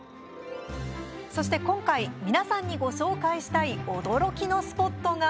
そして今回、皆さんにご紹介したい驚きのスポットが。